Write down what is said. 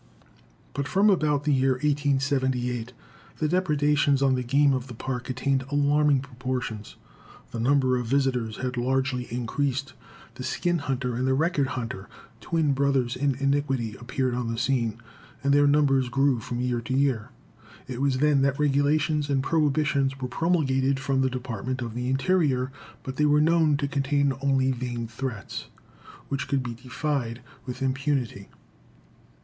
But from about the year 1878 the depredations on the game of the Park attained alarming proportions. The number of visitors had largely increased. The skin hunter and the record hunter twin brothers in iniquity appeared on the scene, and their number grew from year to year. It was then that regulations and prohibitions were promulgated from the Department of the Interior, but they were known to contain only vain threats, which could be defied with impunity.